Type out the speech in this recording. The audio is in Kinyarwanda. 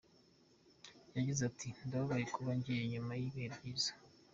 Yagize ati “Ndababaye kuba ngiye nyuma y’ibihe byiza.